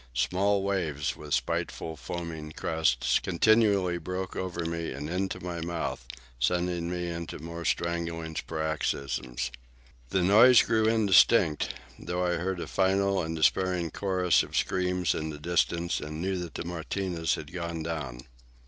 Small waves, with spiteful foaming crests, continually broke over me and into my mouth, sending me off into more strangling paroxysms. The noises grew indistinct, though I heard a final and despairing chorus of screams in the distance, and knew that the Martinez had gone down.